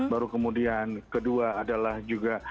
baru kemudian kedua adalah juga